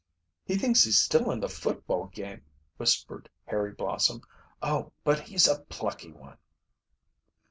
"He thinks he's still in the football game," whispered Harry Blossom. "Oh, but he's a plucky one."